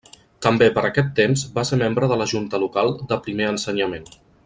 També per aquest temps va ser membre de la Junta local de Primer Ensenyament.